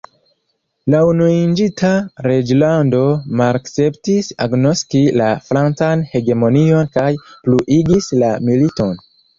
La Unuiĝinta Reĝlando malakceptis agnoski la Francan hegemonion kaj pluigis la militon.